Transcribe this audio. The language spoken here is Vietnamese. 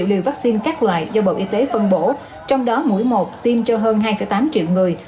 đồng nai đã tiêm vaccine các loại do bộ y tế phân bổ trong đó mũi một tiêm cho hơn hai tám triệu người